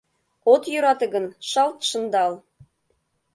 От йӧрате гын, шалт шындал.